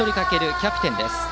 キャプテンです。